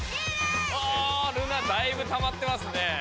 おルナだいぶたまってますね。